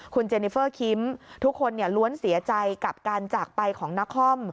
คุณเจนิเฟอร์คิมทุกคนล้วนเสียใจกับการจากไปของนคร